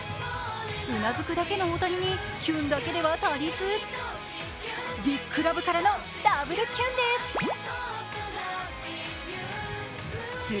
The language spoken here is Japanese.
うなずくだけの大谷にキュンだけでは足りずビッグラブからのダブルキュンです。